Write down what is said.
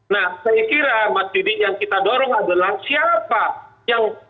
nah saya kira mas didi yang kita dorong adalah siapa yang